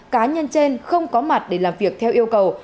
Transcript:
cá nhân trên không có mặt để làm việc theo yêu cầu